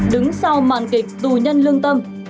đứng sau màn kịch tù nhân lương tâm